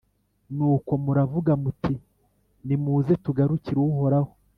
Nuko muravuga muti «Nimuze tugarukire Uhoraho.